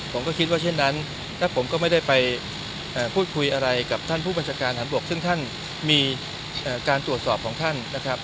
ผมก็คิดว่าเช่นนั้นและผมก็ไม่ได้ไปพูดคุยอะไรกับท่านผู้บัญชาการฐานบกซึ่งท่านมีการตรวจสอบของท่านนะครับ